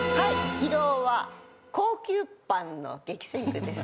広尾は高級パンの激戦区です。